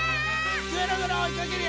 ぐるぐるおいかけるよ！